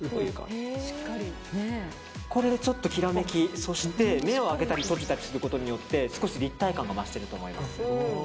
これでちょっときらめきそして、目を開けたり閉じたりすることによって少し立体感が増していると思います。